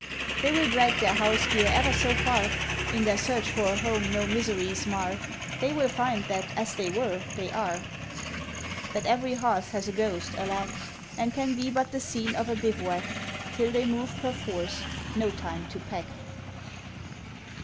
"They will drag their house gear ever so far In their search for a home no miseries mar; They will find that as they were they are, "That every hearth has a ghost, alack, And can be but the scene of a bivouac Till they move perforce—no time to pack!"